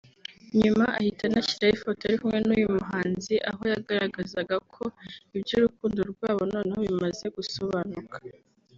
nyuma ahita anashyiraho ifoto ari kumwe n’uyu muhanzi aho yagaragazaga ko iby’urukundo rwabo noneho bimaze gusobanuka